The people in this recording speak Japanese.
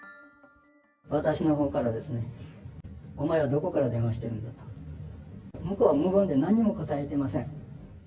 私のほうからですね、お前はどこから電話しているんだと、向こうは無言で何にも答えていません。